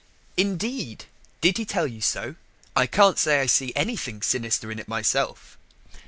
"Indeed? did he tell you so? I can't say I see anything sinister in it myself."